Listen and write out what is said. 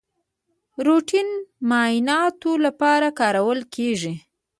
د روټین معایناتو لپاره کارول کیږي.